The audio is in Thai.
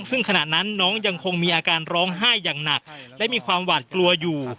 ซึ่งขณะนั้นน้องยังคงมีอาการร้องไห้อย่างหนักและมีความหวาดกลัวอยู่